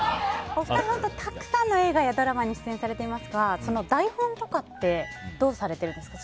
お二人、たくさんの映画やドラマに出演されていますが台本とかってどうされているんですか？